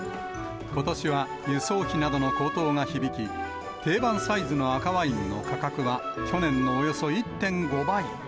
ことしは、輸送費などの高騰が響き、定番サイズの赤ワインの価格は、去年のおよそ１．５倍。